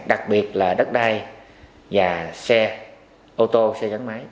đặc biệt là đất đai và xe ô tô xe gắn máy